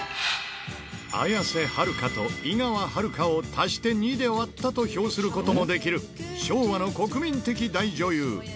綾瀬はるかと井川遥を足して２で割ったと表することもできる昭和の国民的大女優。